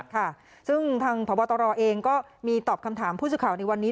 ค่ะซึ่งทางพบตรเองก็มีตอบคำถามผู้สื่อข่าวในวันนี้